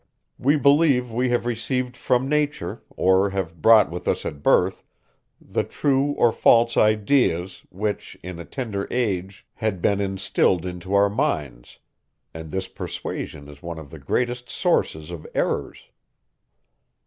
We believe we have received from nature, or have brought with us at birth, the true or false ideas, which, in a tender age, had been instilled into our minds; and this persuasion is one of the greatest sources of errors.